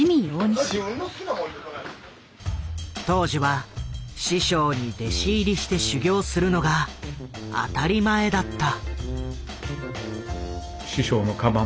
当時は師匠に弟子入りして修業するのが当たり前だった。